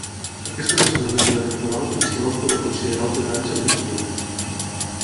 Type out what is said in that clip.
Aquesta va ser una mesura temporal fins que van poder considerar els detalls amb més cura.